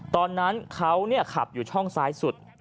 ตอนนั้นเขาขับอยู่ช่องซ้ายสุด